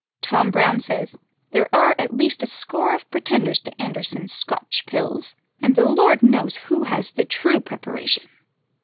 Tom Brown says, "There are at least a score of pretenders to Anderson's Scotch pills, and the Lord knows who has the true preparation."